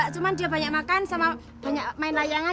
cuman dia banyak makan sama main layangan